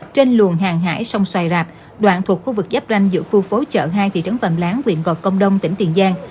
trên luồng hàng hải sông xoài rạp đoạn thuộc khu vực giáp ranh giữa khu phố chợ hai thị trấn phạm lán huyện gò công đông tỉnh tiền giang